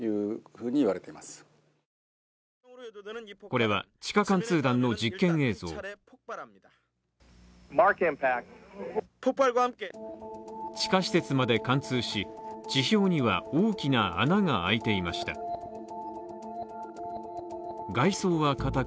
これは地下貫通弾の実験映像地下施設まで貫通し、地表には大きな穴が開いていました。